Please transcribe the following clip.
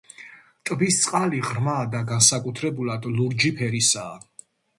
ტბის წყალი ღრმა და განსაკუთრებულად ლურჯი ფერისაა.